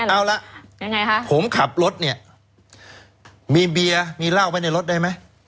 เอาละผมขับรถเนี่ยมีเบียร์มีเหล้าไว้ในรถได้ไหม